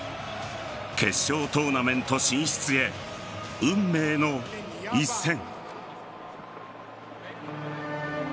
決勝トーナメント進出へ運命の一戦。